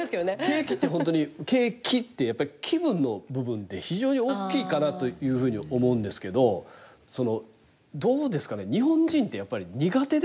景気って本当に景気ってやっぱり気分の部分って非常に大きいかなというふうに思うんですけどそのどうですかね日本人ってやっぱり苦手ですか？